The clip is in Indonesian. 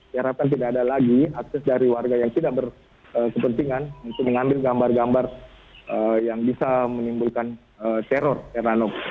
diharapkan tidak ada lagi akses dari warga yang tidak berkepentingan untuk mengambil gambar gambar yang bisa menimbulkan teror